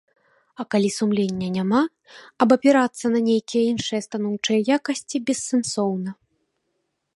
А калі сумлення няма, абапірацца на нейкія іншыя станоўчыя якасці бессэнсоўна.